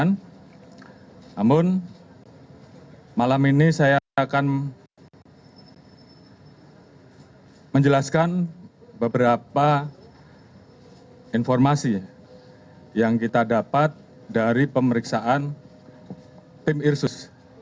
namun malam ini saya akan menjelaskan beberapa informasi yang kita dapat dari pemeriksaan tim irsus